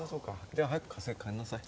じゃあ早く火星帰りなさい。